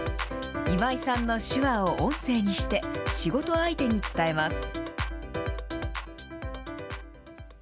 今井さんの手話を音声にして、仕事相手に伝えます。